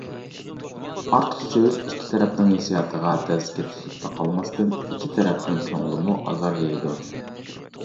ئارتۇق سۆز ئىككى تەرەپنىڭ ھېسسىياتىغا دەز كەتكۈزۈپلا قالماستىن، ئىككى تەرەپنىڭ كۆڭلىمۇ ئازار يەيدۇ.